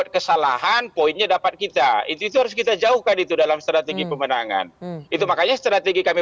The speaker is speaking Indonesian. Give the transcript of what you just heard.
kalau untuk kami